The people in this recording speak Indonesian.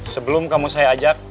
sebelum kamu saya ajak